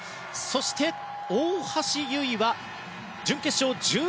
そして、大橋悠依は準決勝１３位。